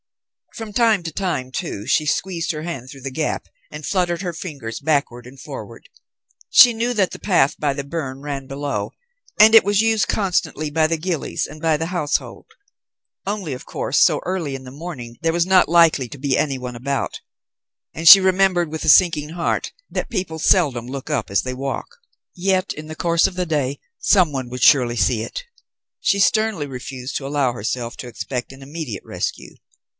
From time to time, too, she squeezed her hand through the gap and fluttered her fingers backward and forward. She knew that the path by the burn ran below, and it was used constantly by the ghillies and by the household. Only of course so early in the morning there was not likely to be anyone about. And she remembered with a sinking heart that people seldom look up as they walk. Yet in the course of the day some one would surely see it. She sternly refused to allow herself to expect an immediate rescue.